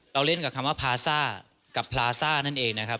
เล่นกับคำว่าพลาซ่ากับพลาซ่านั่นเองนะครับ